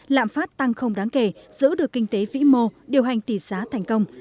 lạm phát tăng không đáng kể giữ được kinh tế vĩ mô điều hành tỷ giá thành công